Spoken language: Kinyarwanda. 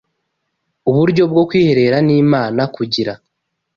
uburyo bwo kwiherera n’Imana kugira